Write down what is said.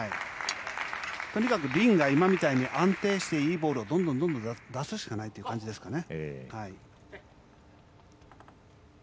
とにかく、リンが今みたいに安定していいボールをどんどん出すしかないという感じですかね。